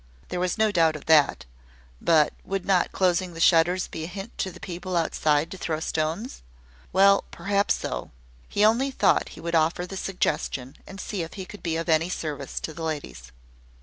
There was no doubt of that: but would not closing the shutters be a hint to the people outside to throw stones? Well, perhaps so. He only thought he would offer the suggestion, and see if he could be of any service to the ladies.